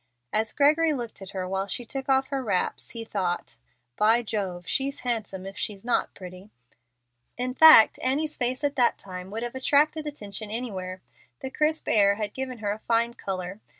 As Gregory looked at her while she took off her wraps, he thought, "By Jove! she's handsome if she is not pretty." In fact Annie's face at that time would have attracted attention anywhere. The crisp air had given her a fine color.